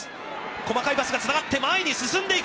細かいパスがつながって前に進んでいく。